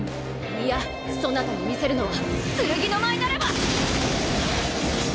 いやそなたに見せるのは剣の舞なれば！